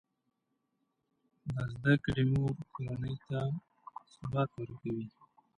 د زده کړې مور کورنۍ ته ثبات ورکوي.